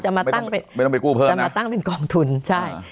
ไม่ต้องไปกู้เพิ่มนะเราจะมาตั้งเป็นกองทุนใช่